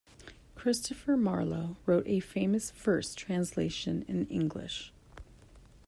Christopher Marlowe wrote a famous verse translation in English.